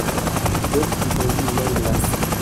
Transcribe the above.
L'autre lui tendit une main glacée.